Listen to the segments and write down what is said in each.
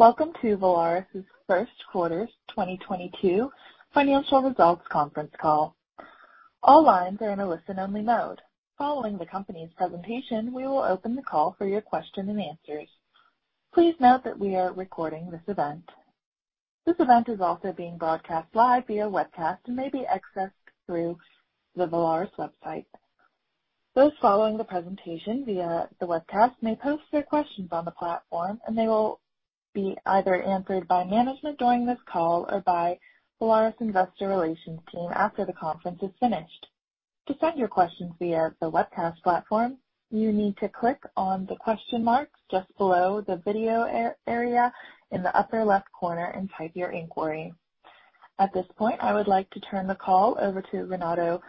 Welcome to Volaris's First Quarter 2022 Financial Results Conference Call. All lines are in a listen-only mode. Following the company's presentation, we will open the call for your question and answers. Please note that we are recording this event. This event is also being broadcast live via webcast and may be accessed through the Volaris website. Those following the presentation via the webcast may post their questions on the platform, and they will be either answered by management during this call or by Volaris investor relations team after the conference is finished. To send your questions via the webcast platform, you need to click on the question mark just below the video area in the upper left corner and type your inquiry. At this point, I would like to turn the call over to Renato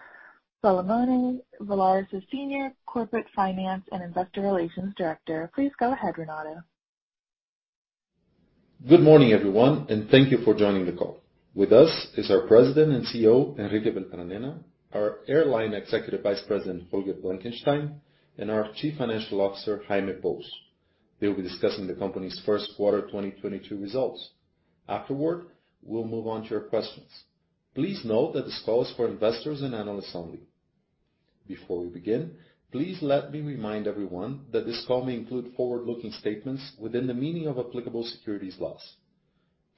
Salomón, Volaris Senior Director, Corporate Finance and Investor Relations. Please go ahead, Renato. Good morning, everyone, and thank you for joining the call. With us is our President and CEO, Enrique Beltranena, our Airline Executive Vice President, Holger Blankenstein, and our Chief Financial Officer, Jaime Pous. They'll be discussing the company's first quarter 2022 results. Afterward, we'll move on to your questions. Please note that this call is for investors and analysts only. Before we begin, please let me remind everyone that this call may include forward-looking statements within the meaning of applicable securities laws.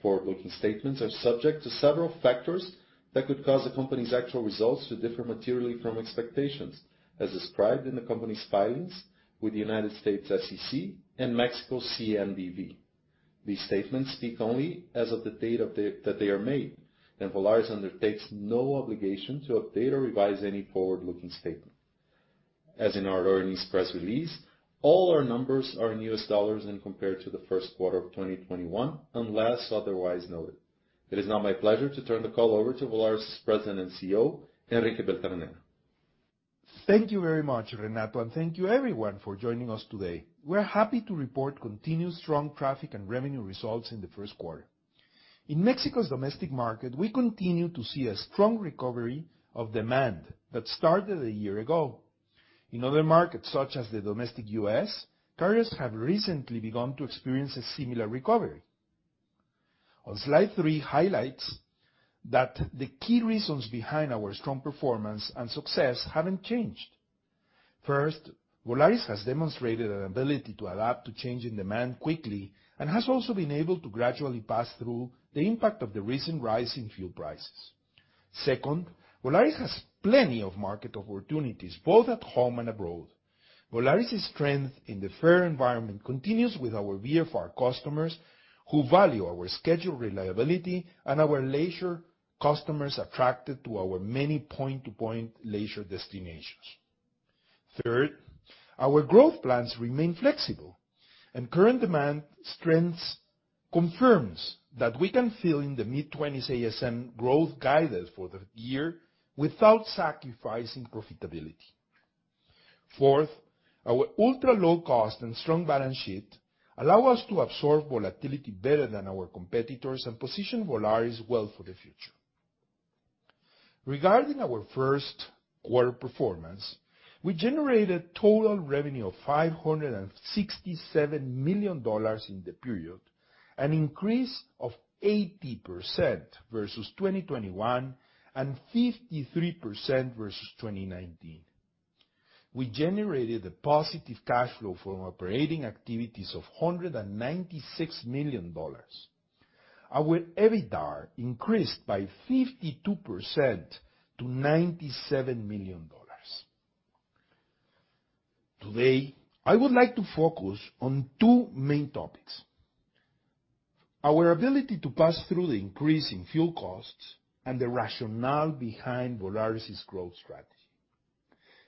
Forward-looking statements are subject to several factors that could cause the company's actual results to differ materially from expectations, as described in the company's filings with the United States SEC and Mexico CNBV. These statements speak only as of the date that they are made, and Volaris undertakes no obligation to update or revise any forward-looking statement. As in our earnings press release, all our numbers are in US dollars and compared to the first quarter of 2021, unless otherwise noted. It is now my pleasure to turn the call over to Volaris President and CEO, Enrique Beltranena. Thank you very much, Renato, and thank you everyone for joining us today. We're happy to report continued strong traffic and revenue results in the first quarter. In Mexico's domestic market, we continue to see a strong recovery of demand that started a year ago. In other markets, such as the domestic U.S., carriers have recently begun to experience a similar recovery. On slide 3 highlights that the key reasons behind our strong performance and success haven't changed. First, Volaris has demonstrated an ability to adapt to changing demand quickly and has also been able to gradually pass through the impact of the recent rise in fuel prices. Second, Volaris has plenty of market opportunities, both at home and abroad. Volaris's strength in the fare environment continues with our VFR customers, who value our schedule reliability, and our leisure customers attracted to our many point-to-point leisure destinations. Third, our growth plans remain flexible, and current demand strengths confirms that we can fill in the mid-20s ASM growth guidance for the year without sacrificing profitability. Fourth, our ultra-low cost and strong balance sheet allow us to absorb volatility better than our competitors and position Volaris well for the future. Regarding our first quarter performance, we generated total revenue of $567 million in the period, an increase of 80% versus 2021, and 53% versus 2019. We generated a positive cash flow from operating activities of $196 million. Our EBITDAR increased by 52% to $97 million. Today, I would like to focus on two main topics. Our ability to pass through the increase in fuel costs and the rationale behind Volaris's growth strategy.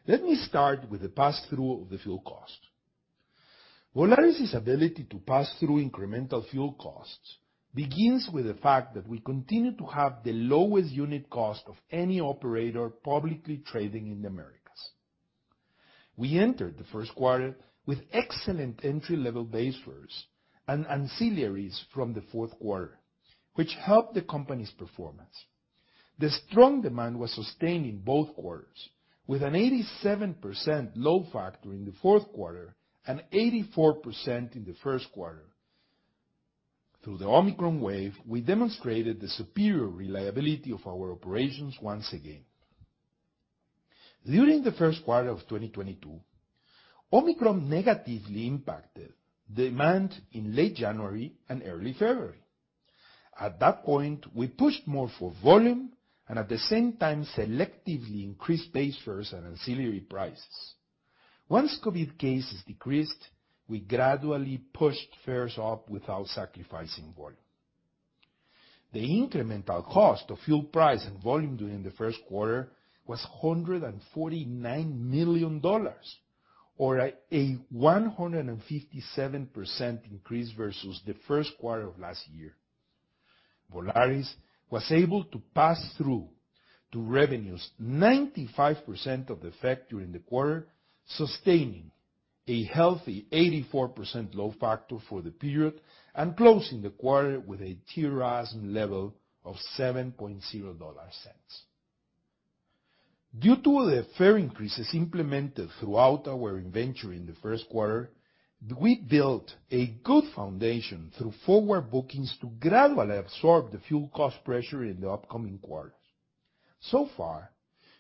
Let me start with the pass-through of the fuel cost. Volaris's ability to pass through incremental fuel costs begins with the fact that we continue to have the lowest unit cost of any operator publicly trading in the Americas. We entered the first quarter with excellent entry-level base fares and ancillaries from the fourth quarter, which helped the company's performance. The strong demand was sustained in both quarters, with an 87% load factor in the fourth quarter and 84% in the first quarter. Through the Omicron wave, we demonstrated the superior reliability of our operations once again. During the first quarter of 2022, Omicron negatively impacted demand in late January and early February. At that point, we pushed more for volume and at the same time selectively increased base fares and ancillary prices. Once COVID cases decreased, we gradually pushed fares up without sacrificing volume. The incremental cost of fuel price and volume during the first quarter was $149 million, or a 157% increase versus the first quarter of last year. Volaris was able to pass through to revenues 95% of the effect during the quarter, sustaining a healthy 84% load factor for the period and closing the quarter with a TRASM level of $0.07. Due to the fare increases implemented throughout our inventory in the first quarter, we built a good foundation through forward bookings to gradually absorb the fuel cost pressure in the upcoming quarters. So far,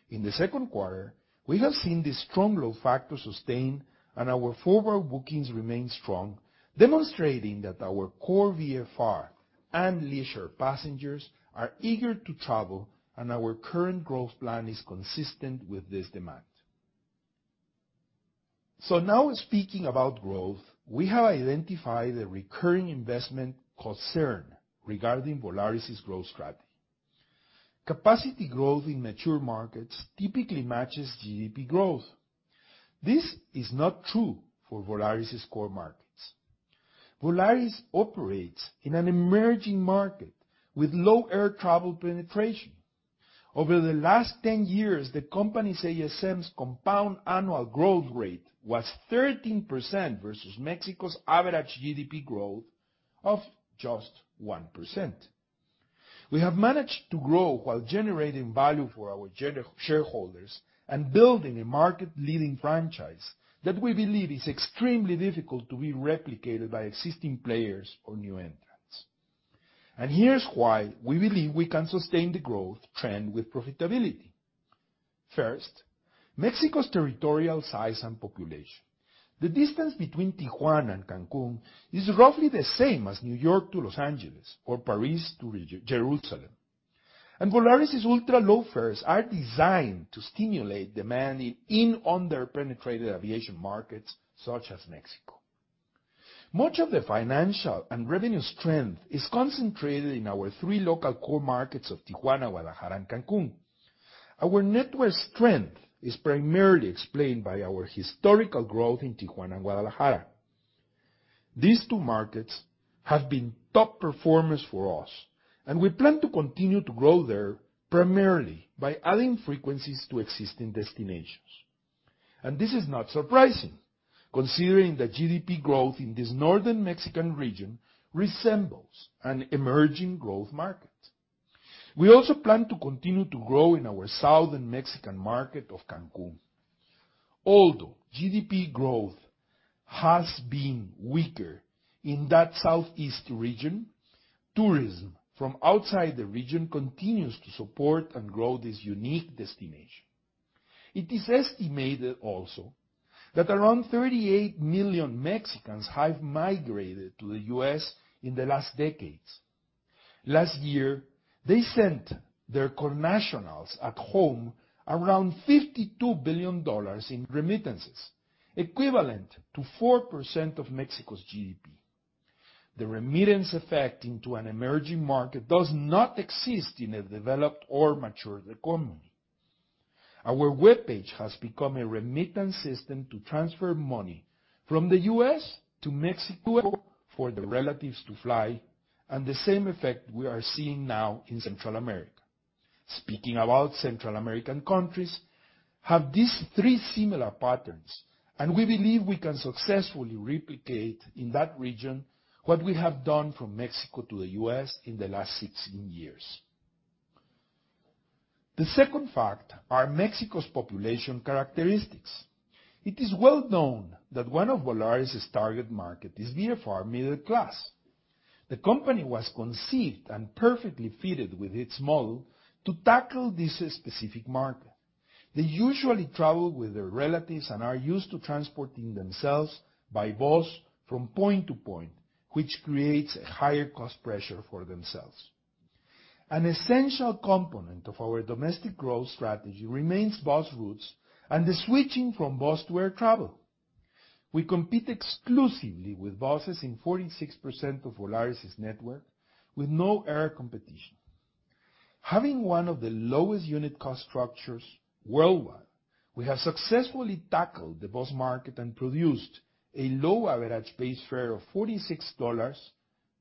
in the second quarter, we have seen the strong load factor sustained and our forward bookings remain strong, demonstrating that our core VFR and leisure passengers are eager to travel, and our current growth plan is consistent with this demand. Now speaking about growth, we have identified a recurring investment concern regarding Volaris's growth strategy. Capacity growth in mature markets typically matches GDP growth. This is not true for Volaris's core markets. Volaris operates in an emerging market with low air travel penetration. Over the last 10 years, the company's ASMs compound annual growth rate was 13% versus Mexico's average GDP growth of just 1%. We have managed to grow while generating value for our shareholders and building a market-leading franchise that we believe is extremely difficult to be replicated by existing players or new entrants. Here's why we believe we can sustain the growth trend with profitability. First, Mexico's territorial size and population. The distance between Tijuana and Cancún is roughly the same as New York to Los Angeles, or Paris to Jerusalem. Volaris's ultra-low fares are designed to stimulate demand in under-penetrated aviation markets, such as México. Much of the financial and revenue strength is concentrated in our three local core markets of Tijuana, Guadalajara, and Cancún. Our network strength is primarily explained by our historical growth in Tijuana and Guadalajara. These two markets have been top performers for us, and we plan to continue to grow there, primarily by adding frequencies to existing destinations. This is not surprising, considering the GDP growth in this northern Mexican region resembles an emerging growth market. We also plan to continue to grow in our southern Mexican market of Cancún. Although GDP growth has been weaker in that southeast region, tourism from outside the region continues to support and grow this unique destination. It is estimated also that around 38 million Mexicans have migrated to the U.S. in the last decades. Last year, they sent their nationals at home around $52 billion in remittances, equivalent to 4% of Mexico's GDP. The remittance effect into an emerging market does not exist in a developed or mature economy. Our webpage has become a remittance system to transfer money from the U.S. to Mexico for the relatives to fly, and the same effect we are seeing now in Central America. Speaking about Central American countries, have these three similar patterns, and we believe we can successfully replicate in that region what we have done from Mexico to the U.S. in the last 16 years. The second fact are Mexico's population characteristics. It is well known that one of Volaris's target market is VFR middle class. The company was conceived and perfectly fitted with its model to tackle this specific market. They usually travel with their relatives and are used to transporting themselves by bus from point to point, which creates a higher cost pressure for themselves. An essential component of our domestic growth strategy remains bus routes and the switching from bus to air travel. We compete exclusively with buses in 46% of Volaris's network with no air competition. Having one of the lowest unit cost structures worldwide, we have successfully tackled the bus market and produced a low average base fare of $46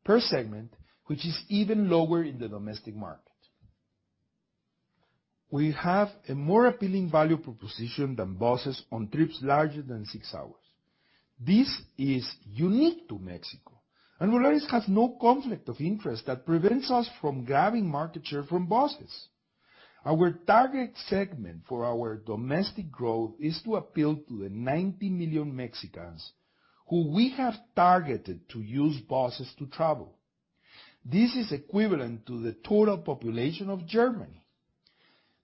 per segment, which is even lower in the domestic market. We have a more appealing value proposition than buses on trips larger than six hours. This is unique to Mexico, and Volaris has no conflict of interest that prevents us from grabbing market share from buses. Our target segment for our domestic growth is to appeal to the 90 million Mexicans who we have targeted to use buses to travel. This is equivalent to the total population of Germany.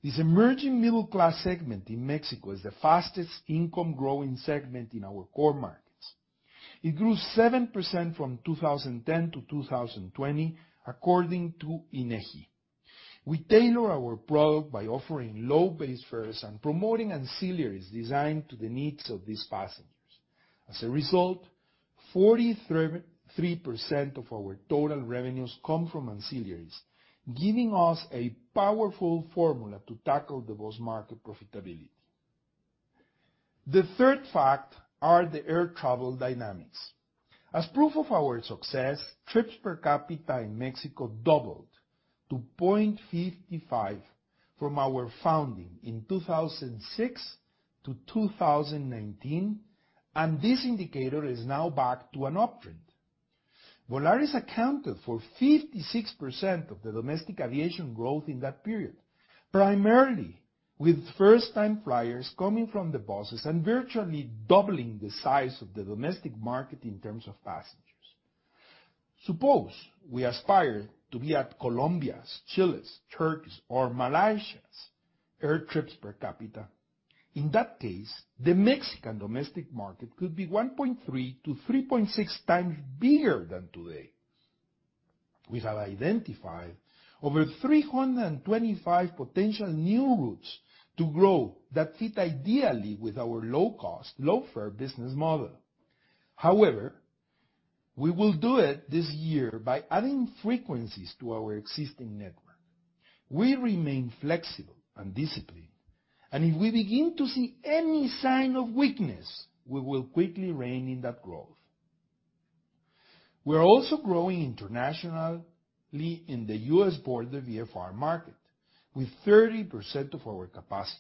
This emerging middle-class segment in Mexico is the fastest income growing segment in our core markets. It grew 7% from 2010 to 2020, according to INEGI. We tailor our product by offering low base fares and promoting ancillaries designed to the needs of these passengers. As a result, 43% of our total revenues come from ancillaries, giving us a powerful formula to tackle the bus market profitability. The third fact are the air travel dynamics. As proof of our success, trips per capita in Mexico doubled to 0.55 from our founding in 2006 to 2019, and this indicator is now back to an uptrend. Volaris accounted for 56% of the domestic aviation growth in that period, primarily with first-time flyers coming from the buses and virtually doubling the size of the domestic market in terms of passengers. Suppose we aspire to be at Colombia's, Chile's, Turkey's, or Malaysia's air trips per capita. In that case, the Mexican domestic market could be 1.3 to 3.6x bigger than today. We have identified over 325 potential new routes to grow that fit ideally with our low-cost, low-fare business model. However, we will do it this year by adding frequencies to our existing network. We remain flexible and disciplined, and if we begin to see any sign of weakness, we will quickly rein in that growth. We are also growing internationally in the U.S. border VFR market, with 30% of our capacity.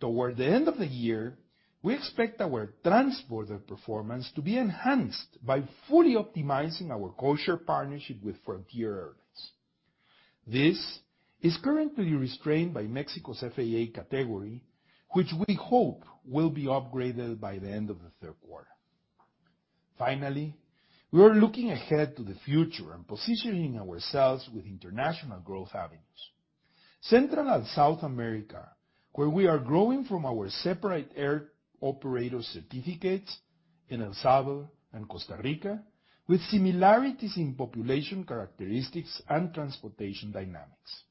Toward the end of the year, we expect our transborder performance to be enhanced by fully optimizing our codeshare partnership with Frontier Airlines. This is currently restrained by Mexico's FAA category, which we hope will be upgraded by the end of the third quarter. Finally, we are looking ahead to the future and positioning ourselves with international growth avenues. Central and South America, where we are growing from our separate air operator certificates in El Salvador and Costa Rica, with similarities in population characteristics and transportation dynamics.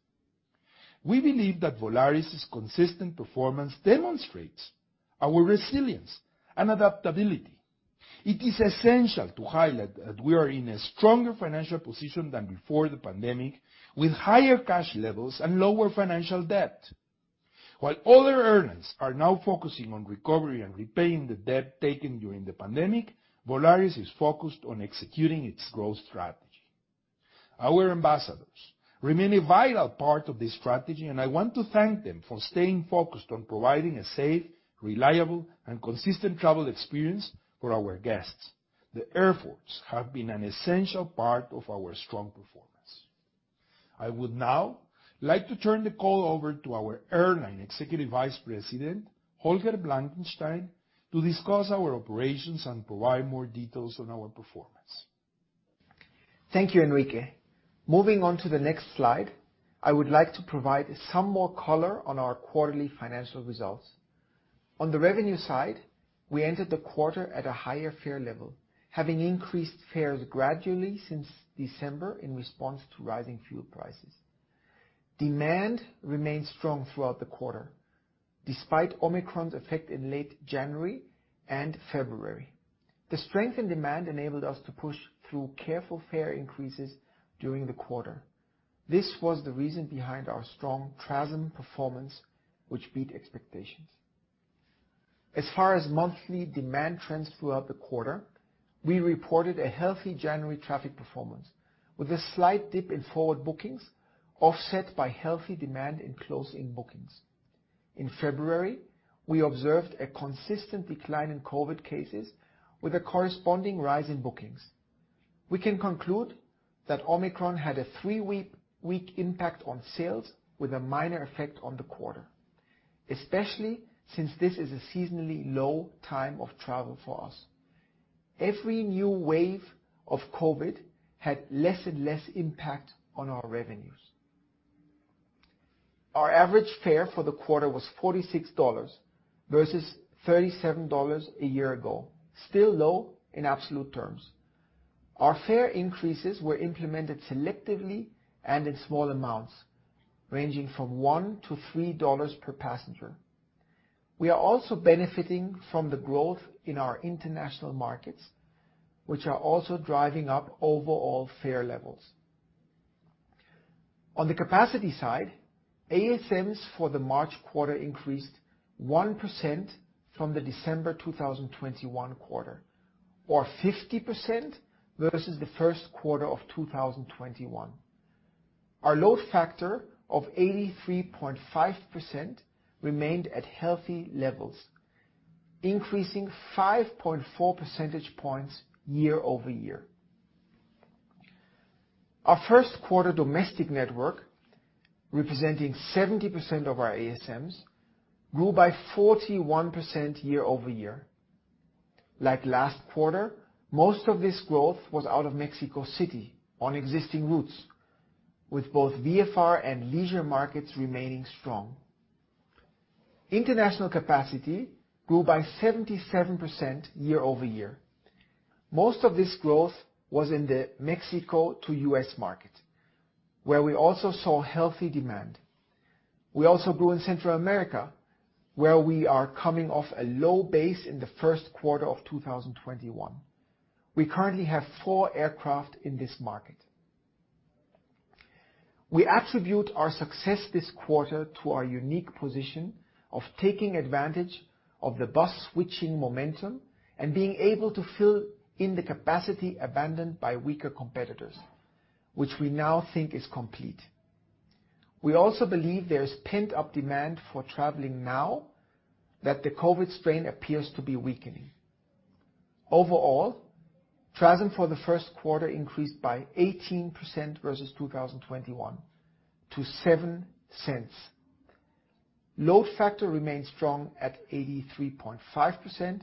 We believe that Volaris's consistent performance demonstrates our resilience and adaptability. It is essential to highlight that we are in a stronger financial position than before the pandemic, with higher cash levels and lower financial debt. While other airlines are now focusing on recovery and repaying the debt taken during the pandemic, Volaris is focused on executing its growth strategy. Our ambassadors remain a vital part of this strategy, and I want to thank them for staying focused on providing a safe, reliable, and consistent travel experience for our guests. Our workforce has been an essential part of our strong performance. I would now like to turn the call over to our Airline Executive Vice President, Holger Blankenstein, to discuss our operations and provide more details on our performance. Thank you, Enrique. Moving on to the next slide, I would like to provide some more color on our quarterly financial results. On the revenue side, we entered the quarter at a higher fare level, having increased fares gradually since December in response to rising fuel prices. Demand remained strong throughout the quarter, despite Omicron's effect in late January and February. The strength in demand enabled us to push through careful fare increases during the quarter. This was the reason behind our strong TRASM performance, which beat expectations. As far as monthly demand trends throughout the quarter, we reported a healthy January traffic performance, with a slight dip in forward bookings offset by healthy demand in closing bookings. In February, we observed a consistent decline in COVID cases with a corresponding rise in bookings. We can conclude that Omicron had a 3-week impact on sales with a minor effect on the quarter, especially since this is a seasonally low time of travel for us. Every new wave of COVID had less and less impact on our revenues. Our average fare for the quarter was $46 versus 37 a year ago, still low in absolute terms. Our fare increases were implemented selectively and in small amounts, ranging from $1 to 3 per passenger. We are also benefiting from the growth in our international markets, which are also driving up overall fare levels. On the capacity side, ASMs for the March quarter increased 1% from the December 2021 quarter or 50% versus the first quarter of 2021. Our load factor of 83.5% remained at healthy levels, increasing 5.4 percentage points year-over-year. Our first quarter domestic network, representing 70% of our ASMs, grew by 41% year-over-year. Like last quarter, most of this growth was out of Mexico City on existing routes, with both VFR and leisure markets remaining strong. International capacity grew by 77% year-over-year. Most of this growth was in the Mexico to U.S. market, where we also saw healthy demand. We also grew in Central America, where we are coming off a low base in the first quarter of 2021. We currently have four aircraft in this market. We attribute our success this quarter to our unique position of taking advantage of the bus switching momentum and being able to fill in the capacity abandoned by weaker competitors, which we now think is complete. We also believe there's pent-up demand for traveling now that the COVID strain appears to be weakening. Overall, TRASM for the first quarter increased by 18% versus 2021 to $0.07. Load factor remains strong at 83.5%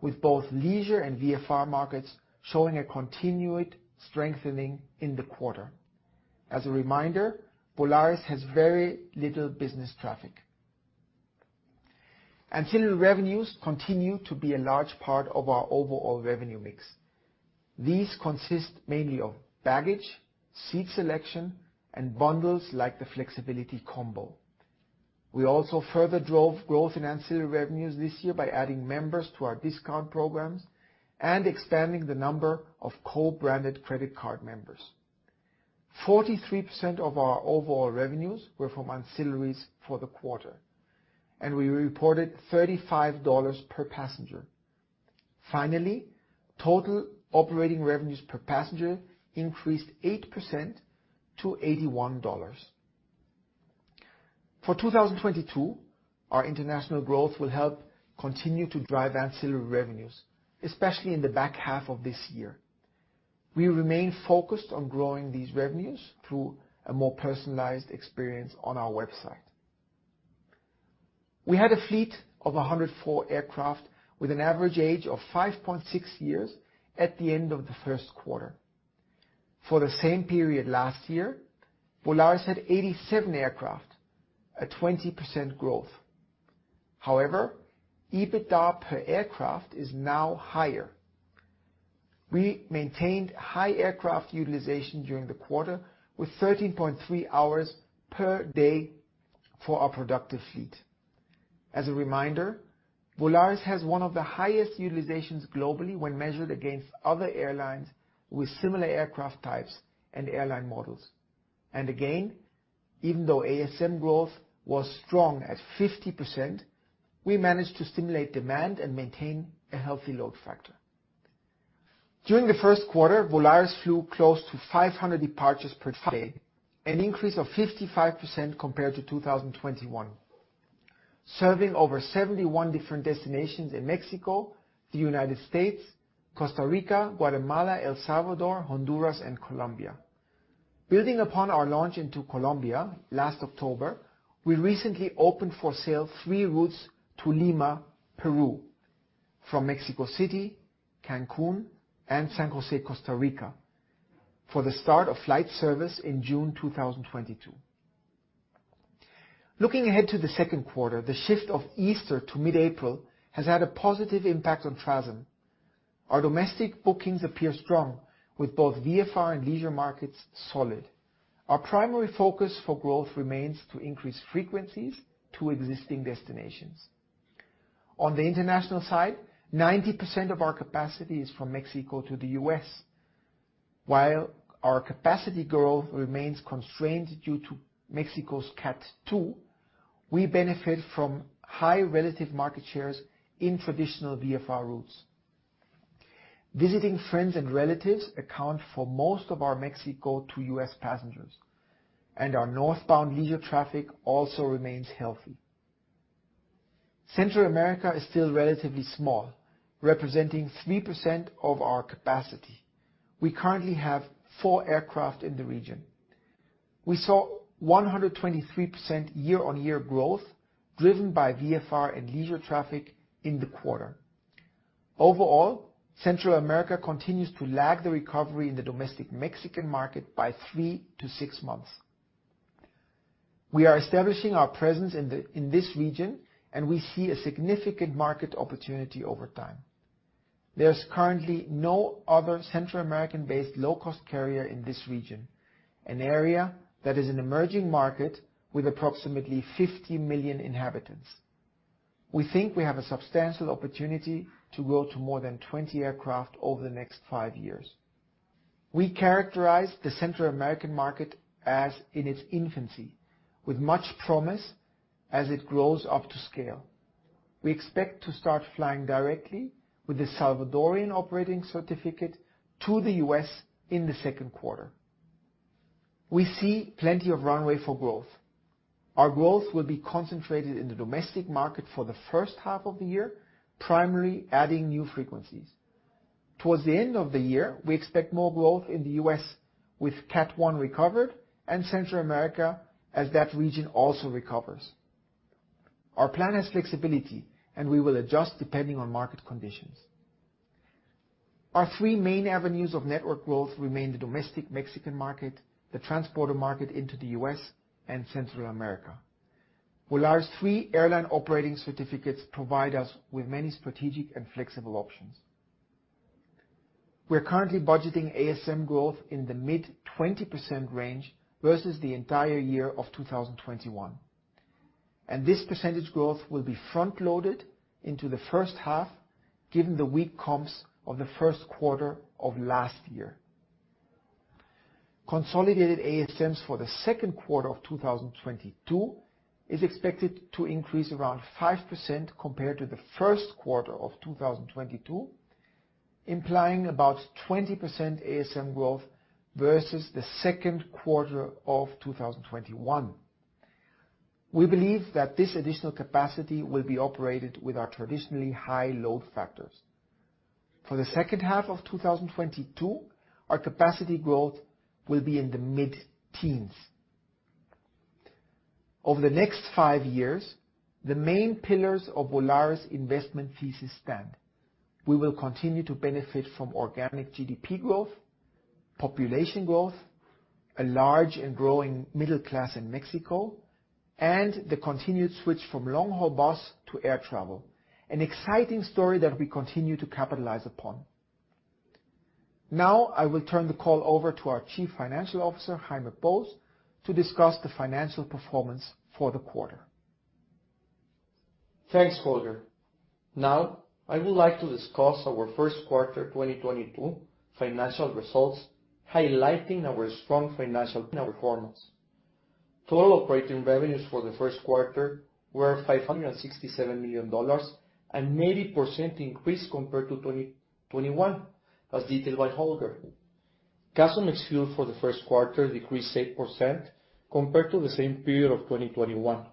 with both leisure and VFR markets showing a continued strengthening in the quarter. As a reminder, Volaris has very little business traffic. Ancillary revenues continue to be a large part of our overall revenue mix. These consist mainly of baggage, seat selection, and bundles like the Flexibility Combo. We also further drove growth in ancillary revenues this year by adding members to our discount programs and expanding the number of co-branded credit card members. 43% of our overall revenues were from ancillaries for the quarter, and we reported $35 per passenger. Finally, total operating revenues per passenger increased 8% to $81. For 2022, our international growth will help continue to drive ancillary revenues, especially in the back half of this year. We remain focused on growing these revenues through a more personalized experience on our website. We had a fleet of 104 aircraft with an average age of 5.6 years at the end of the first quarter. For the same period last year, Volaris had 87 aircraft, a 20% growth. However, EBITDA per aircraft is now higher. We maintained high aircraft utilization during the quarter with 13.3 hours per day for our productive fleet. As a reminder, Volaris has one of the highest utilizations globally when measured against other airlines with similar aircraft types and airline models. Again, even though ASM growth was strong at 50%, we managed to stimulate demand and maintain a healthy load factor. During the first quarter, Volaris flew close to 500 departures per day, an increase of 55% compared to 2021, serving over 71 different destinations in Mexico, the United States, Costa Rica, Guatemala, El Salvador, Honduras, and Colombia. Building upon our launch into Colombia last October, we recently opened for sale 3 routes to Lima, Peru from Mexico City, Cancún and San José, Costa Rica for the start of flight service in June 2022. Looking ahead to the second quarter, the shift of Easter to mid-April has had a positive impact on TRASM. Our domestic bookings appear strong with both VFR and leisure markets solid. Our primary focus for growth remains to increase frequencies to existing destinations. On the international side, 90% of our capacity is from Mexico to the U.S. While our capacity growth remains constrained due to Mexico's Category 2, we benefit from high relative market shares in traditional VFR routes. Visiting friends and relatives account for most of our Mexico to U.S. passengers, and our northbound leisure traffic also remains healthy. Central America is still relatively small, representing 3% of our capacity. We currently have 4 aircraft in the region. We saw 123% year-on-year growth, driven by VFR and leisure traffic in the quarter. Overall, Central America continues to lag the recovery in the domestic Mexican market by 3-6 months. We are establishing our presence in this region, and we see a significant market opportunity over time. There's currently no other Central American-based low-cost carrier in this region, an area that is an emerging market with approximately 50 million inhabitants. We think we have a substantial opportunity to grow to more than 20 aircraft over the next 5 years. We characterize the Central American market as in its infancy with much promise as it grows up to scale. We expect to start flying directly with the Salvadorian operating certificate to the U.S. in the second quarter. We see plenty of runway for growth. Our growth will be concentrated in the domestic market for the first half of the year, primarily adding new frequencies. Towards the end of the year, we expect more growth in the US with Category 1 recovered and Central America as that region also recovers. Our plan has flexibility, and we will adjust depending on market conditions. Our three main avenues of network growth remain the domestic Mexican market, the transporter market into the US, and Central America. Volaris' three airline operating certificates provide us with many strategic and flexible options. We're currently budgeting ASM growth in the mid-20% range versus the entire year of 2021, and this % growth will be front-loaded into the first half given the weak comps of the first quarter of last year. Consolidated ASMs for the second quarter of 2022 is expected to increase around 5% compared to the first quarter of 2022. Implying about 20% ASM growth versus the second quarter of 2021. We believe that this additional capacity will be operated with our traditionally high load factors. For the second half of 2022, our capacity growth will be in the mid-teens. Over the next five years, the main pillars of Volaris investment thesis stand. We will continue to benefit from organic GDP growth, population growth, a large and growing middle class in Mexico, and the continued switch from long-haul bus to air travel. An exciting story that we continue to capitalize upon. Now, I will turn the call over to our Chief Financial Officer, Jaime Pous, to discuss the financial performance for the quarter. Thanks, Holger. Now, I would like to discuss our first quarter 2022 financial results, highlighting our strong financial performance. Total operating revenues for the first quarter were $567 million, a 90% increase compared to 2021, as detailed by Holger. CASM ex-fuel for the first quarter decreased 8% compared to the same period of 2021,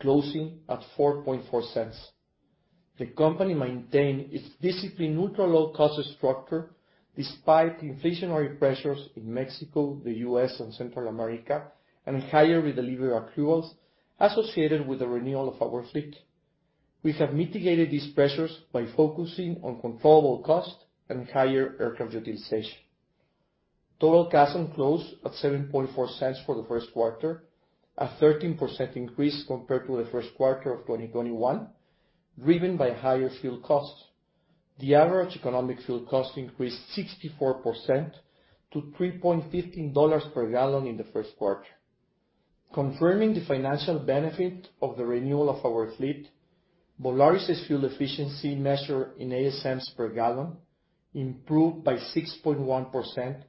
closing at $0.044. The company maintained its disciplined ultra-low-cost structure despite inflationary pressures in Mexico, the U.S., and Central America, and higher delivery accruals associated with the renewal of our fleet. We have mitigated these pressures by focusing on controllable cost and higher aircraft utilization. Total CASM closed at $0.074 for the first quarter, a 13% increase compared to the first quarter of 2021, driven by higher fuel costs. The average economic fuel cost increased 64% to $3.15 per gallon in the first quarter. Confirming the financial benefit of the renewal of our fleet, Volaris's fuel efficiency measure in ASMs per gallon improved by 6.1%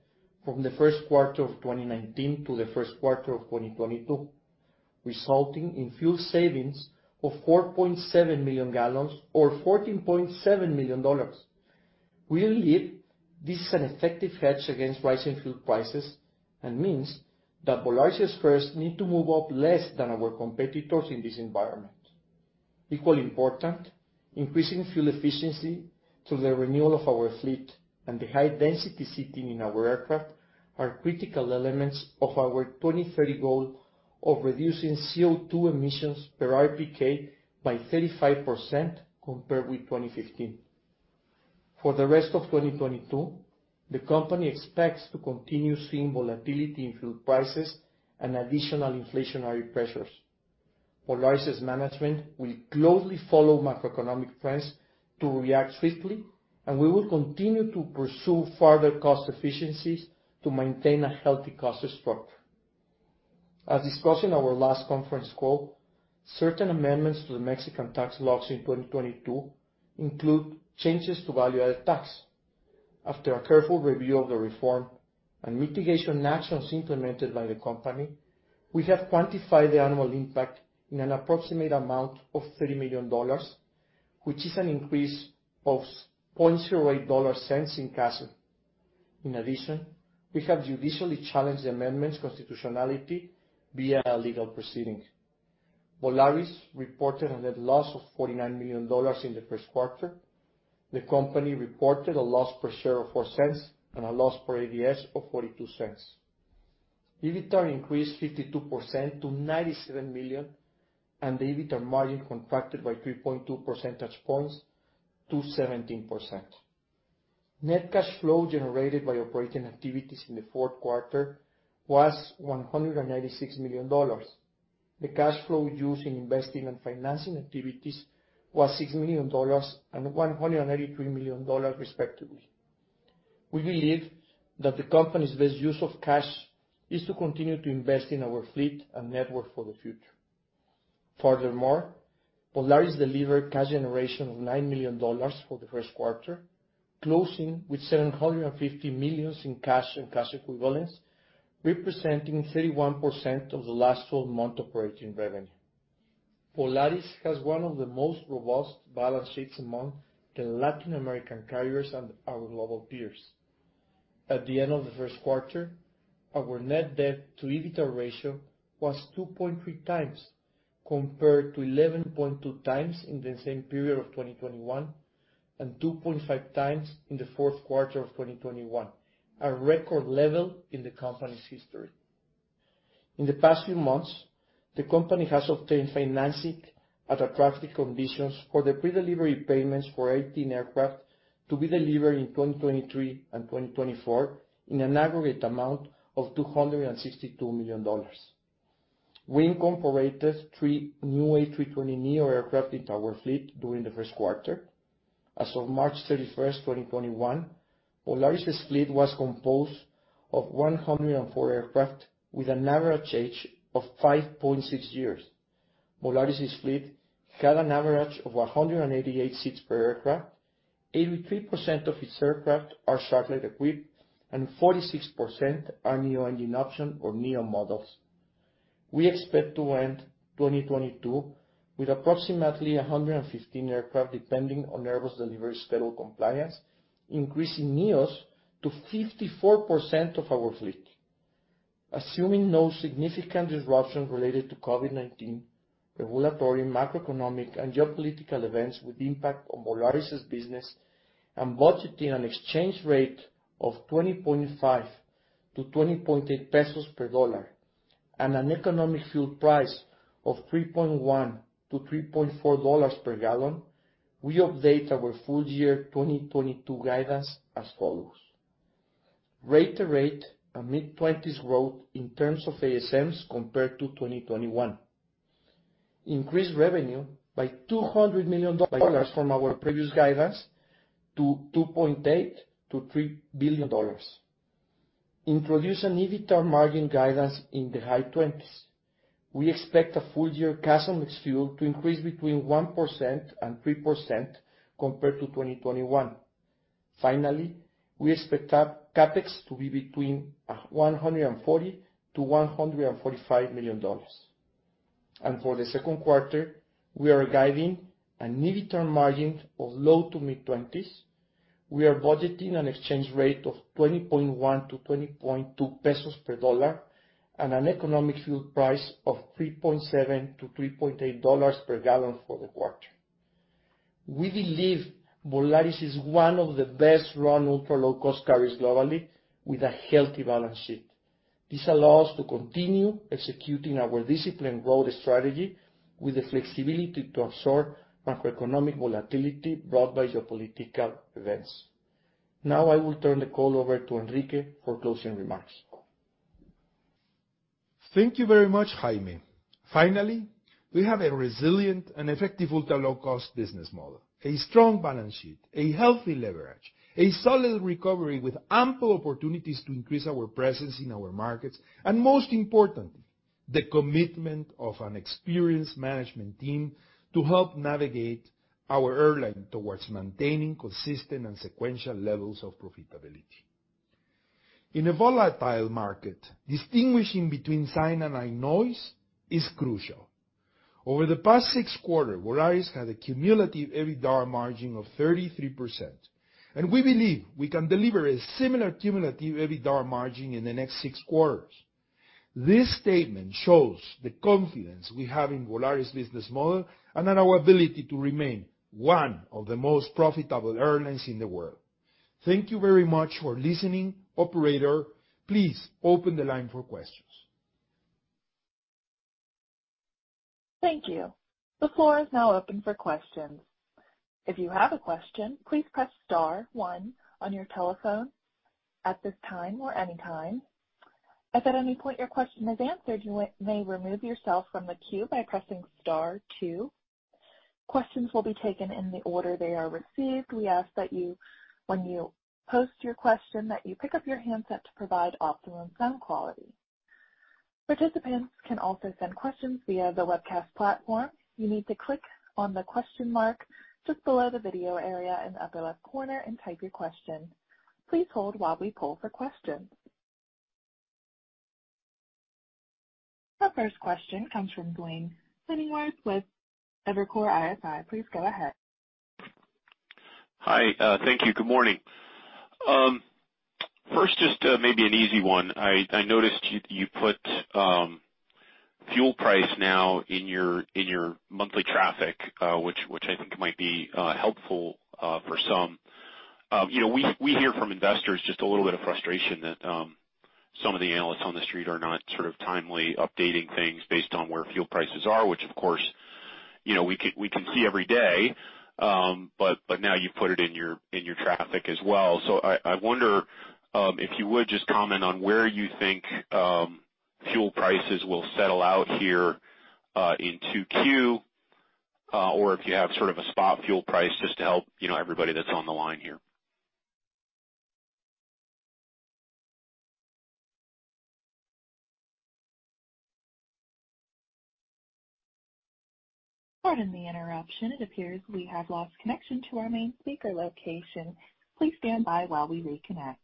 from the first quarter of 2019 to the first quarter of 2022, resulting in fuel savings of 4.7 million gallons or $14.7 million. We believe this is an effective hedge against rising fuel prices, and means that Volaris' fares need to move up less than our competitors in this environment. Equally important, increasing fuel efficiency through the renewal of our fleet and the high density seating in our aircraft are critical elements of our 2030 goal of reducing CO2 emissions per RPK by 35% compared with 2015. For the rest of 2022, the company expects to continue seeing volatility in fuel prices and additional inflationary pressures. Volaris' management will closely follow macroeconomic trends to react swiftly, and we will continue to pursue further cost efficiencies to maintain a healthy cost structure. As discussed in our last conference call, certain amendments to the Mexican tax laws in 2022 include changes to value-added tax. After a careful review of the reform and mitigation actions implemented by the company, we have quantified the annual impact in an approximate amount of $30 million, which is an increase of $0.08 in CASM. In addition, we have judicially challenged the amendment's constitutionality via a legal proceeding. Volaris reported a net loss of $49 million in the first quarter. The company reported a loss per share of $0.04 and a loss per ADS of $0.42. EBITDAR increased 52% to $97 million, and the EBITDAR margin contracted by 3.2 percentage points to 17%. Net cash flow generated by operating activities in the fourth quarter was $196 million. The cash flow used in investing and financing activities was $6 and 193 million respectively. We believe that the company's best use of cash is to continue to invest in our fleet and network for the future. Furthermore, Volaris delivered cash generation of $9 million for the first quarter, closing with $750 million in cash and cash equivalents, representing 31% of the last full month operating revenue. Volaris has one of the most robust balance sheets among the Latin American carriers and our global peers. At the end of the first quarter, our net debt to EBITDAR ratio was 2.3x, compared to 11.2x in the same period of 2021, and 2.5 times in the fourth quarter of 2021, a record level in the company's history. In the past few months, the company has obtained financing at attractive conditions for the predelivery payments for 18 aircraft to be delivered in 2023 and 2024 in an aggregate amount of $262 million. We incorporated 3 new A320neo aircraft into our fleet during the first quarter. As of March 31, 2021, Volaris' fleet was composed of 104 aircraft with an average age of 5.6 years. Volaris' fleet had an average of 188 seats per aircraft. 83% of its aircraft are sharklet equipped, and 46% are NEO engine option or NEO models. We expect to end 2022 with approximately 115 aircraft, depending on Airbus delivery schedule compliance, increasing NEOs to 54% of our fleet. Assuming no significant disruption related to COVID-19, regulatory, macroeconomic, and geopolitical events with impact on Volaris' business, and budgeting an exchange rate of 20.5 to 20.8 pesos per dollar, and an economic fuel price of $3.1 to 3.4 per gallon, we update our full-year 2022 guidance as follows: year-to-year, a mid-20s growth in terms of ASMs compared to 2021. Increase revenue by $200 million from our previous guidance to $2.8 to 3 billion. Introduce an EBITDAR margin guidance in the high 20s%. We expect a full-year CASM ex-fuel to increase between 1% and 3% compared to 2021. Finally, we expect CapEx to be between $140 to 145 million. For the second quarter, we are guiding an EBITDAR margin of low-to-mid 20s%. We are budgeting an exchange rate of 20.1 to 20.2 pesos per dollar, and an economic fuel price of $3.7 to 3.8 per gallon for the quarter. We believe Volaris is one of the best run ultra-low-cost carriers globally with a healthy balance sheet. This allows to continue executing our disciplined growth strategy with the flexibility to absorb macroeconomic volatility brought by geopolitical events. Now I will turn the call over to Enrique for closing remarks. Thank you very much, Jaime. Finally, we have a resilient and effective ultra-low-cost business model, a strong balance sheet, a healthy leverage, a solid recovery with ample opportunities to increase our presence in our markets, and most importantly, the commitment of an experienced management team to help navigate our airline towards maintaining consistent and sequential levels of profitability. In a volatile market, distinguishing between sign and noise is crucial. Over the past six quarters, Volaris had a cumulative EBITDAR margin of 33%, and we believe we can deliver a similar cumulative EBITDAR margin in the next six quarters. This statement shows the confidence we have in Volaris business model and on our ability to remain one of the most profitable airlines in the world. Thank you very much for listening. Operator, please open the line for questions. Thank you. The floor is now open for questions. If you have a question, please press star one on your telephone at this time or any time. If at any point your question is answered, you may remove yourself from the queue by pressing star two. Questions will be taken in the order they are received. We ask that you, when you post your question, that you pick up your handset to provide optimum sound quality. Participants can also send questions via the webcast platform. You need to click on the question mark just below the video area in the upper left corner and type your question. Please hold while we poll for questions. Our first question comes from Duane Pfennigwerth with Evercore ISI. Please go ahead. Hi. Thank you. Good morning. First, just maybe an easy one. I noticed you put fuel price now in your monthly traffic, which I think might be helpful for some. You know we hear from investors just a little bit of frustration that some of the analysts on The Street are not sort of timely updating things based on where fuel prices are, which of course, you know, we can see every day. Now you've put it in your traffic as well. I wonder if you would just comment on where you think fuel prices will settle out here in 2Q or if you have sort of a spot fuel price just to help, you know, everybody that's on the line here. Pardon the interruption. It appears we have lost connection to our main speaker location. Please stand by while we reconnect.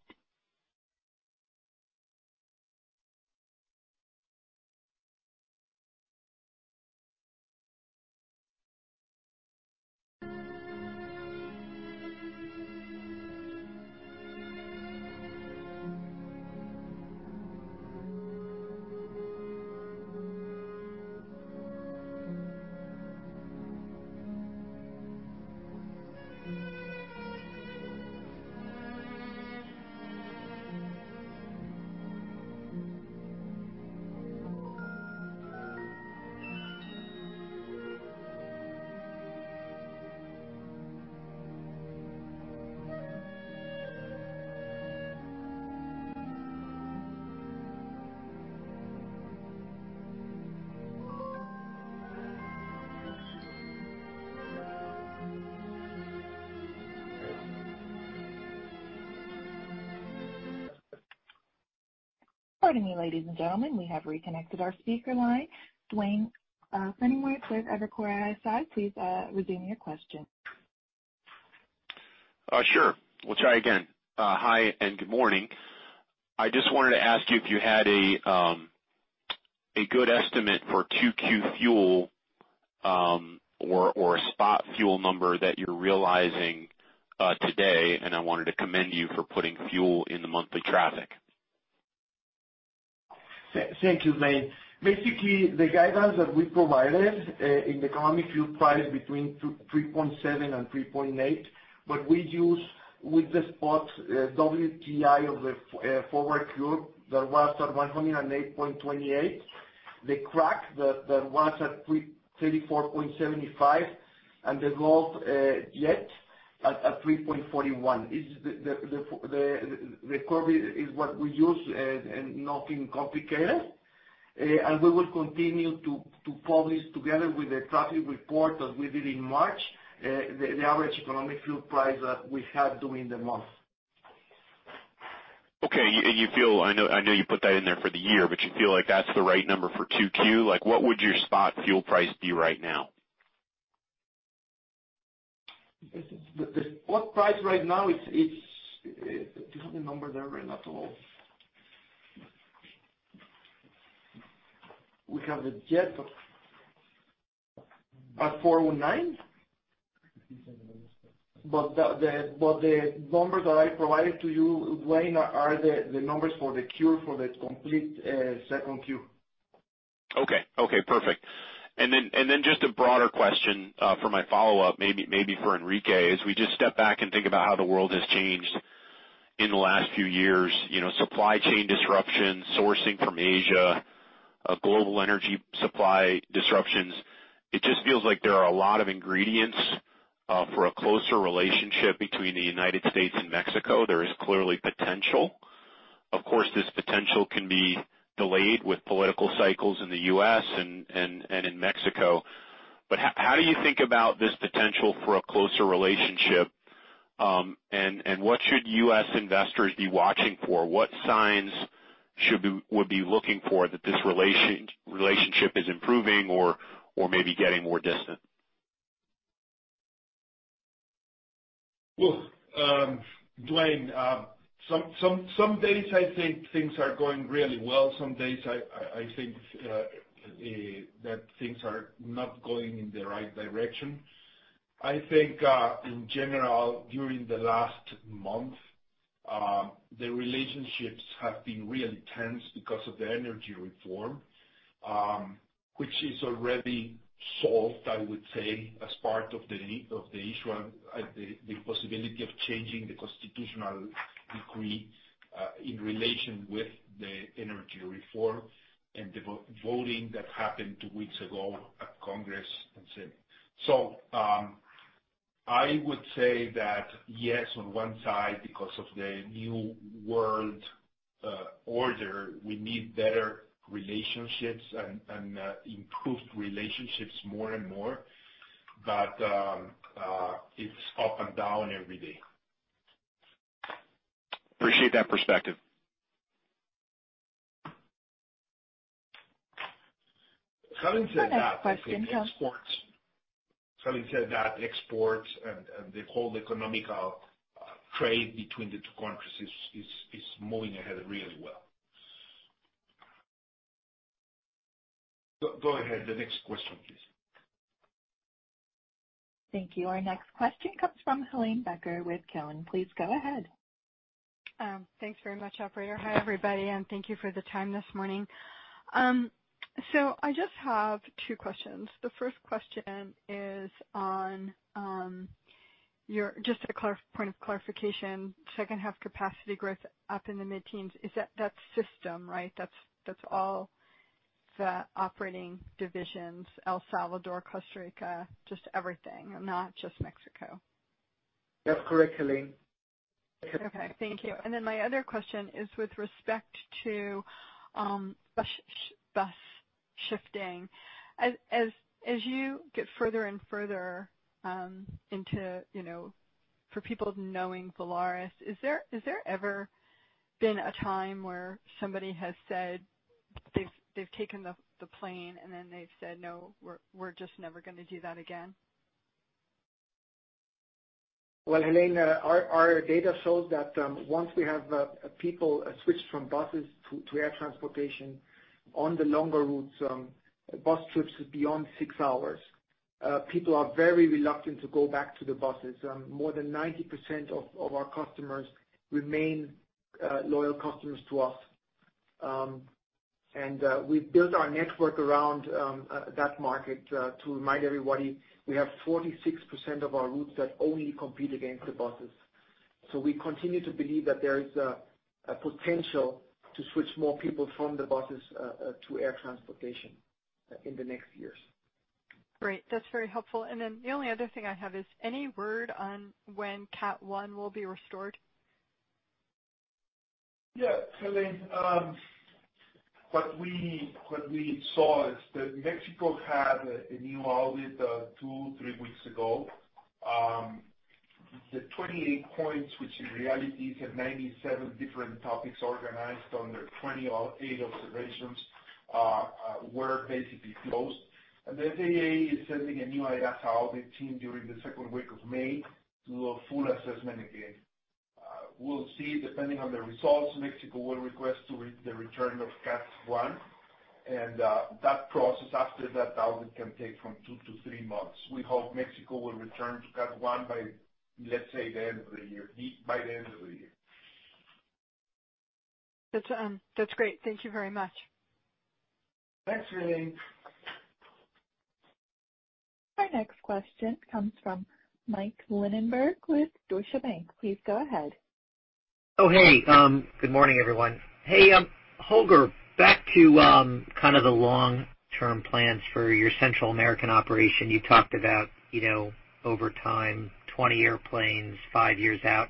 Pardon me, ladies and gentlemen, we have reconnected our speaker line. Duane Pfennigwerth with Evercore ISI, please resume your question. Sure. We'll try again. Hi, and good morning. I just wanted to ask you if you had a good estimate for 2Q fuel, or a spot fuel number that you're realizing today. I wanted to commend you for putting fuel in the monthly traffic. Thank you, Duane. Basically, the guidance that we provided in the economic fuel price between $3.7 to 3.8, but we use with the spot WTI of the forward curve that was at $108.28. The crack that was at $34.75. And the jet at $3.41. The curve is what we use. Nothing complicated. We will continue to publish together with the traffic report as we did in March, the average economic fuel price that we had during the month. Okay. You feel. I know, I know you put that in there for the year, but you feel like that's the right number for 2Q? Like, what would your spot fuel price be right now? The spot price right now it's. Do you have the number there, Renato? We have the jet fuel at $419. The numbers that I provided to you, Duane, are the numbers for the Q for the complete second Q. Okay. Perfect. Just a broader question for my follow-up, maybe for Enrique, as we just step back and think about how the world has changed in the last few years, you know, supply chain disruptions, sourcing from Asia, global energy supply disruptions. It just feels like there are a lot of ingredients for a closer relationship between the United States and Mexico. There is clearly potential. Of course, this potential can be delayed with political cycles in the U.S. and in Mexico. How do you think about this potential for a closer relationship, and what should U.S. investors be watching for? What signs would we be looking for that this relationship is improving or maybe getting more distant? Well, Duane, some days I think things are going really well. Some days I think that things are not going in the right direction. I think in general, during the last month, the relationships have been really tense because of the energy reform, which is already solved, I would say, as part of the issue and the possibility of changing the constitutional decree in relation with the energy reform and the voting that happened two weeks ago at Congress. I would say that yes, on one side, because of the new world order, we need better relationships and improved relationships more and more. It's up and down every day. Appreciate that perspective. Having said that. Our next question. I think exports. Having said that, exports and the whole economic trade between the two countries is moving ahead really well. Go ahead. The next question, please. Thank you. Our next question comes from Helane Becker with Cowen. Please go ahead. Thanks very much, operator. Hi, everybody, and thank you for the time this morning. I just have two questions. The first question is on your just to point of clarification. Second half capacity growth up in the mid-teens, is that that's system, right? That's all the operating divisions, El Salvador, Costa Rica, just everything, and not just Mexico. That's correct, Helane. Okay, thank you. My other question is with respect to bus shifting. As you get further and further into, you know, for people knowing Volaris, is there ever been a time where somebody has said they've taken the plane, and then they've said, "No, we're just never gonna do that again? Well, Helane, our data shows that once we have people switch from buses to air transportation on the longer routes, bus trips beyond six hours, people are very reluctant to go back to the buses. More than 90% of our customers remain loyal customers to us. We've built our network around that market. To remind everybody, we have 46% of our routes that only compete against the buses. We continue to believe that there is a potential to switch more people from the buses to air transportation in the next years. Great. That's very helpful. The only other thing I have is any word on when Category 1 will be restored? Yeah, Helene. What we saw is that Mexico had a new audit 2 to 3 weeks ago. The 28 points, which in reality have 97 different topics organized under 28 observations. We're basically closed. The FAA is sending a new IASA audit team during the second week of May to do a full assessment again. We'll see, depending on the results, Mexico will request the return of Category 1 and that process after that audit can take from 2 to 3 months. We hope Mexico will return to Category 1 by, let's say, the end of the year. That's great. Thank you very much. Thanks, Helane. Our next question comes from Mike Linenberg with Deutsche Bank. Please go ahead. Oh, hey, good morning, everyone. Hey, Holger, back to kind of the long-term plans for your Central American operation. You talked about, you know, over time, 20 airplanes, 5 years out.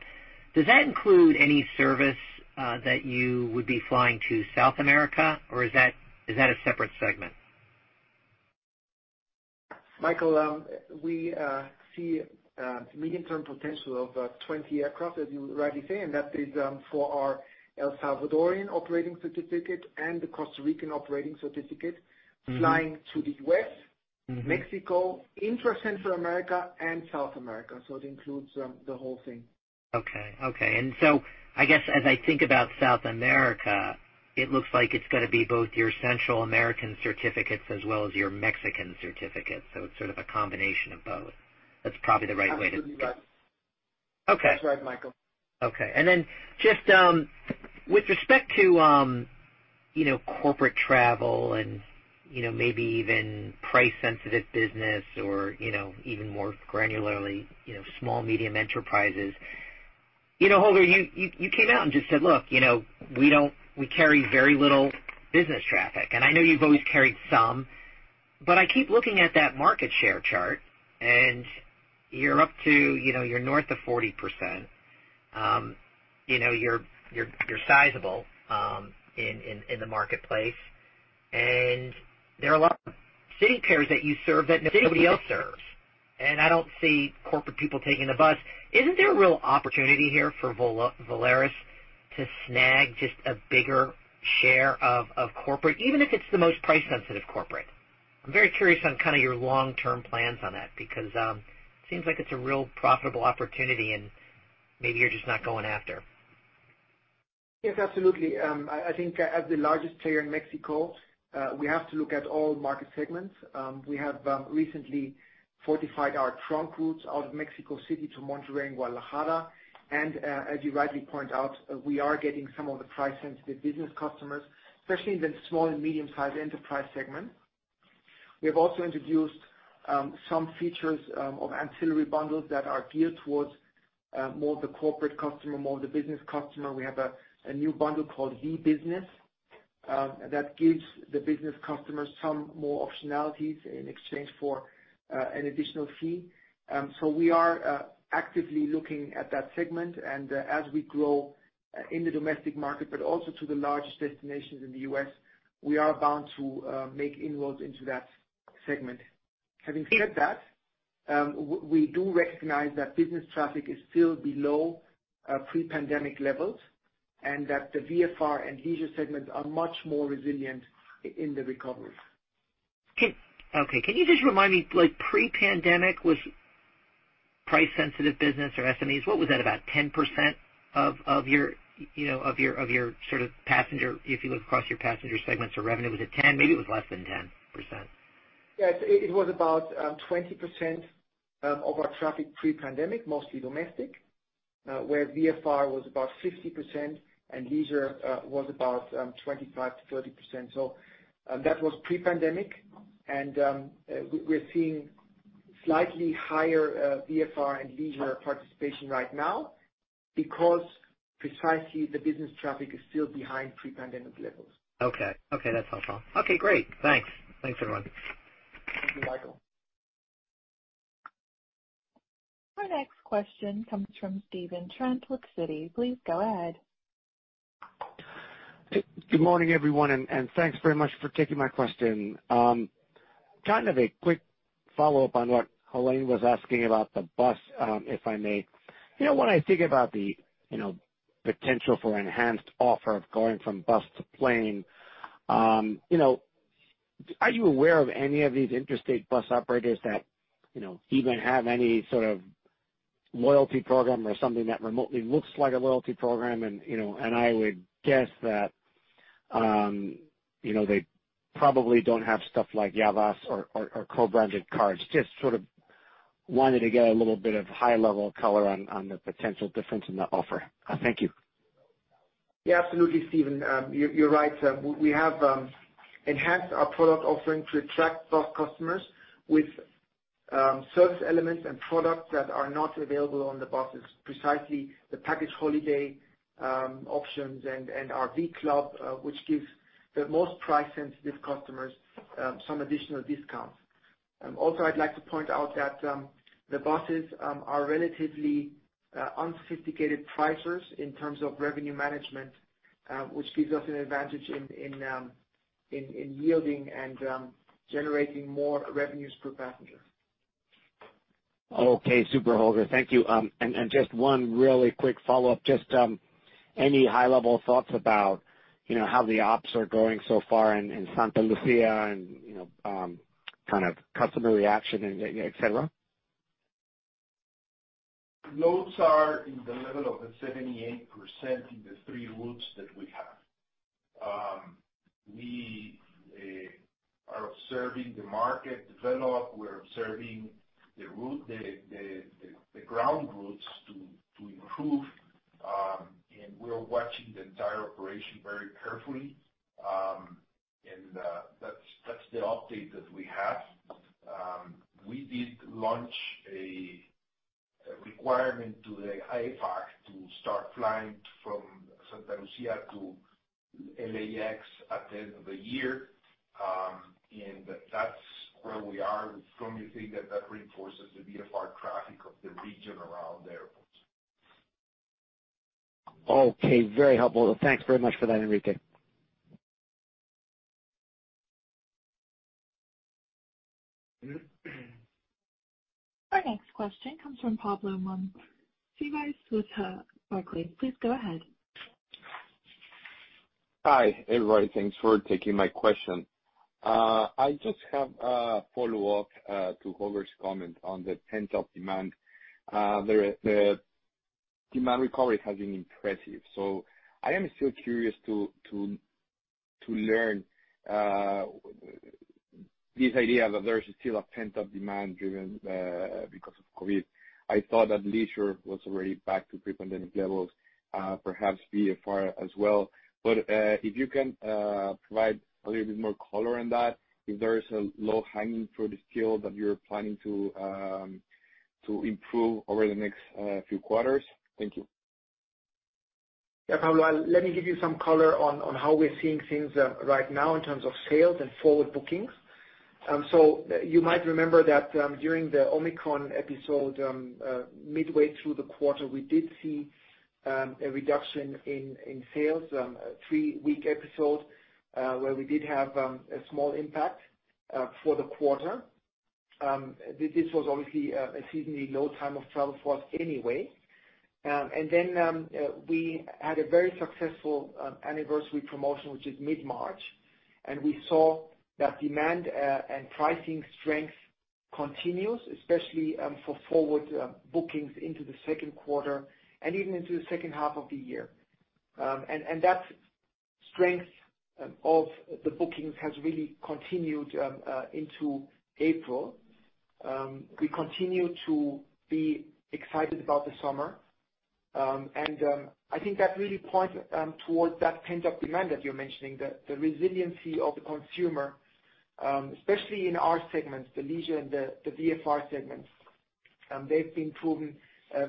Does that include any service that you would be flying to South America, or is that a separate segment? Michael, we see medium-term potential of 20 aircraft, as you rightly say, and that is for our Salvadoran operating certificate and the Costa Rican operating certificate. Flying to the U.S., Mexico, intra-Central America and South America, so it includes the whole thing. Okay. I guess as I think about South America, it looks like it's gonna be both your Central American certificates as well as your Mexican certificates. It's sort of a combination of both. That's probably the right way to. Absolutely right. Okay. That's right, Michael. Okay. Just with respect to, you know, corporate travel and, you know, maybe even price sensitive business or, you know, even more granularly, you know, small, medium enterprises, you know, Holger, you came out and just said, "Look, you know, we don't. We carry very little business traffic." I know you've always carried some, but I keep looking at that market share chart, and you're up to, you know, you're north of 40%. You know, you're sizable in the marketplace. There are a lot of city pairs that you serve that nobody else serves. I don't see corporate people taking the bus. Isn't there a real opportunity here for Volaris to snag just a bigger share of corporate, even if it's the most price sensitive corporate? I'm very curious on kinda your long-term plans on that because seems like it's a real profitable opportunity and maybe you're just not going after. Yes, absolutely. I think as the largest player in Mexico, we have to look at all market segments. We have recently fortified our trunk routes out of Mexico City to Monterrey and Guadalajara. As you rightly point out, we are getting some of the price-sensitive business customers, especially in the small and medium-sized enterprise segment. We have also introduced some features of ancillary bundles that are geared towards more the corporate customer, more the business customer. We have a new bundle called V Business that gives the business customers some more optionalities in exchange for an additional fee. We are actively looking at that segment. As we grow in the domestic market, but also to the largest destinations in the U.S., we are bound to make inroads into that segment. Having said that, we do recognize that business traffic is still below pre-pandemic levels, and that the VFR and leisure segments are much more resilient in the recovery. Okay. Can you just remind me, like pre-pandemic, was price sensitive business or SMEs, what was that about 10% of your, you know, of your sort of passenger. If you look across your passenger segments or revenue, was it 10? Maybe it was less than 10%. Yes, it was about 20% of our traffic pre-pandemic, mostly domestic, where VFR was about 50% and leisure was about 25% to 30%. That was pre-pandemic, and we're seeing slightly higher VFR and leisure participation right now because precisely the business traffic is still behind pre-pandemic levels. Okay. That's helpful. Okay, great. Thanks, everyone. Thank you, Michael. Our next question comes from Stephen Trent. Please go ahead. Good morning, everyone, and thanks very much for taking my question. Kind of a quick follow-up on what Helane was asking about the bus, if I may. You know, when I think about the potential for enhanced offer of going from bus to plane, you know, are you aware of any of these interstate bus operators that even have any sort of loyalty program or something that remotely looks like a loyalty program and, you know, and I would guess that they probably don't have stuff like Yavas or co-branded cards. Just sort of wanted to get a little bit of high-level color on the potential difference in the offer. Thank you. Yeah, absolutely, Stephen. You're right. We have enhanced our product offering to attract those customers with service elements and products that are not available on the buses. Precisely the package holiday options and our v.club, which gives the most price-sensitive customers some additional discounts. Also, I'd like to point out that the buses are relatively unsophisticated pricers in terms of revenue management, which gives us an advantage in yielding and generating more revenues per passenger. Okay. Super, Holger. Thank you. Just one really quick follow-up. Just any high level thoughts about, you know, how the ops are going so far in Santa Lucía and, you know, kind of customer reaction and et cetera? Loads are at the level of 78% in the three routes that we have. We are observing the market develop. We're observing the ground routes to improve, and we are watching the entire operation very carefully. That's the update that we have. We did launch a request to the AFAC to start flying from Santa Lucía to LAX at the end of the year, and that's where we are. We strongly think that reinforces the VFR traffic of the region around the airports. Okay. Very helpful. Thanks very much for that, Enrique. Our next question comes from Pablo with Barclays. Please go ahead. Hi, everybody. Thanks for taking my question. I just have a follow-up to Holger's comment on the pent-up demand. The demand recovery has been impressive, so I am still curious to learn this idea that there is still a pent-up demand driven because of COVID. I thought that leisure was already back to pre-pandemic levels, perhaps VFR as well. If you can provide a little bit more color on that, if there is a low-hanging fruit still that you're planning to improve over the next few quarters. Thank you. Yeah, Pablo, let me give you some color on how we're seeing things right now in terms of sales and forward bookings. So you might remember that during the Omicron episode midway through the quarter, we did see a reduction in sales, a three-week episode where we did have a small impact for the quarter. This was obviously a seasonally low time of travel for us anyway. We had a very successful anniversary promotion, which is mid-March, and we saw that demand and pricing strength continues, especially for forward bookings into the second quarter and even into the second half of the year. That strength of the bookings has really continued into April. We continue to be excited about the summer. I think that really points towards that pent-up demand that you're mentioning, the resiliency of the consumer, especially in our segments, the leisure and the VFR segments. They've been proven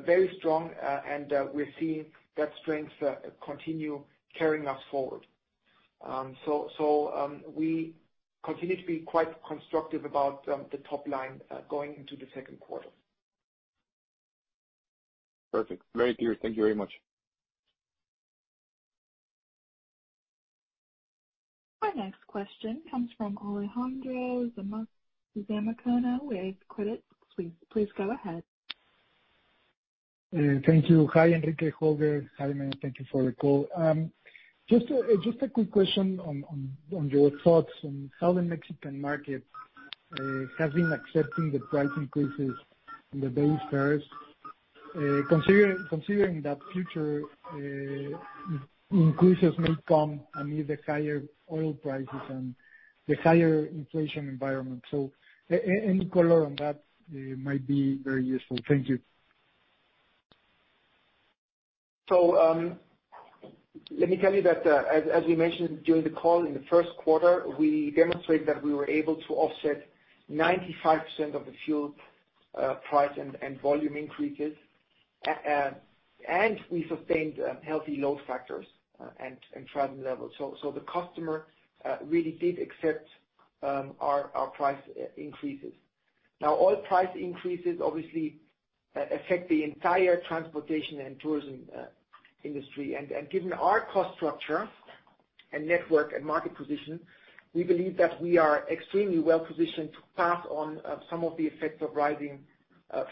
very strong, and we're seeing that strength continue carrying us forward. We continue to be quite constructive about the top line going into the second quarter. Perfect. Very clear. Thank you very much. Our next question comes from Alejandro Zamacona with Credit Suisse. Please go ahead. Thank you. Hi, Enrique, Holger, Simon. Thank you for the call. Just a quick question on your thoughts on how the Mexican market has been accepting the price increases on the base fares, considering that future increases may come amid the higher oil prices and the higher inflation environment. Any color on that might be very useful. Thank you. Let me tell you that, as we mentioned during the call, in the first quarter, we demonstrated that we were able to offset 95% of the fuel price and volume increases, and we sustained healthy load factors and travel levels. The customer really did accept our price increases. Now, oil price increases obviously affect the entire transportation and tourism industry. Given our cost structure and network and market position, we believe that we are extremely well-positioned to pass on some of the effects of rising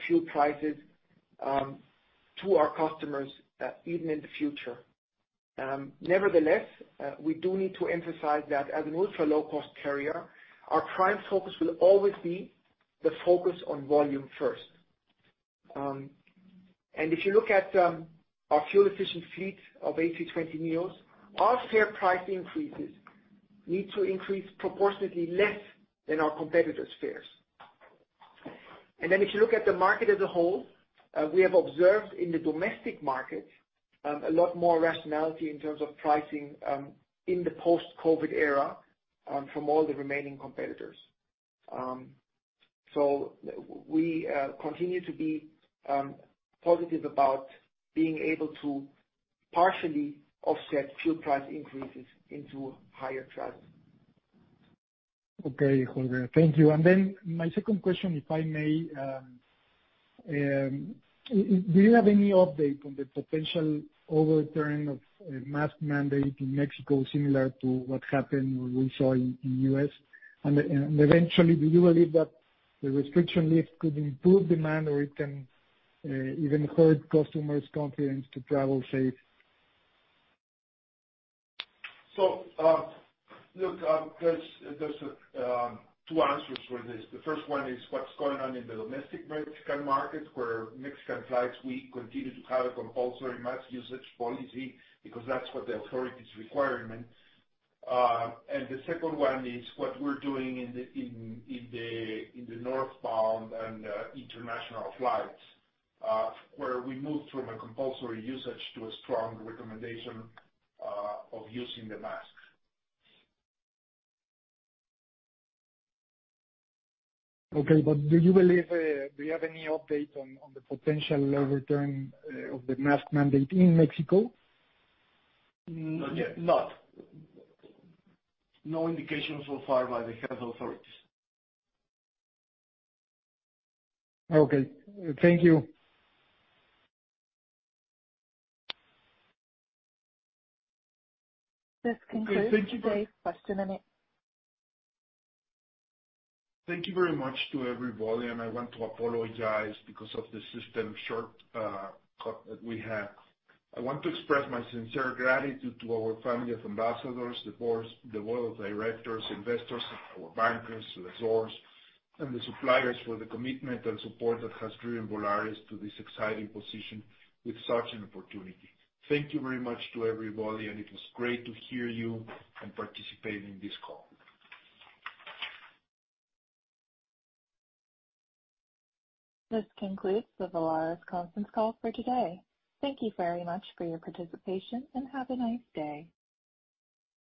fuel prices to our customers even in the future. Nevertheless, we do need to emphasize that as an ultra-low-cost carrier, our prime focus will always be the focus on volume first. If you look at our fuel-efficient fleet of A320neos, our fare price increases need to increase proportionately less than our competitors' fares. If you look at the market as a whole, we have observed in the domestic market a lot more rationality in terms of pricing in the post-COVID era from all the remaining competitors. We continue to be positive about being able to partially offset fuel price increases into higher travel. Okay, Holger. Thank you. My second question, if I may. Do you have any update on the potential overturning of a mask mandate in Mexico, similar to what happened, we saw in U.S.? Eventually, do you believe that the restriction lift could improve demand or it can even hurt customers' confidence to travel safe? There's two answers for this. The first one is what's going on in the domestic Mexican market, where Mexican flights, we continue to have a compulsory mask usage policy, because that's what the authorities require. The second one is what we're doing in the northbound and international flights, where we moved from a compulsory usage to a strong recommendation of using the mask. Okay. Do you have any update on the potential return of the mask mandate in Mexico? No indication so far by the health authorities. Okay. Thank you. This concludes today's question and answer. Thank you very much to everybody, and I want to apologize because of the system shortcut that we had. I want to express my sincere gratitude to our family of ambassadors, the board of directors, investors, our bankers, lessors, and the suppliers for the commitment and support that has driven Volaris to this exciting position with such an opportunity. Thank you very much to everybody, and it was great to hear you and participate in this call. This concludes the Volaris conference call for today. Thank you very much for your participation, and have a nice day.